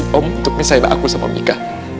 gio maksudnya om untuk mencintai aku sama mika